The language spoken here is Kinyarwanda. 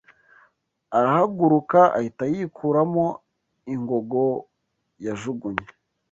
Arahaguruka, ahita yikuramo ingogo yajugunye